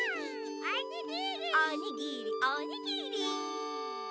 おにぎりおにぎり！